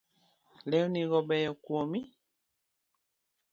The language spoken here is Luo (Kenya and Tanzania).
Lewni go beyo kuomi